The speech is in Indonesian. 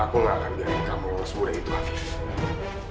aku gak akan jadi kamu semudah itu afif